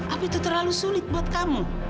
api itu terlalu sulit buat kamu